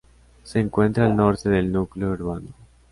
Se encuentra al norte del núcleo urbano.